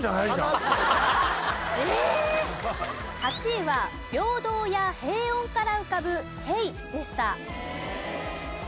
８位は平等や平穏から浮かぶ「平」でした。